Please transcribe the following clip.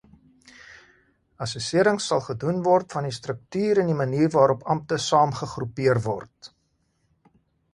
Assesserings sal gedoen word van die struktuur en die manier waarop ampte saamgegroepeer word.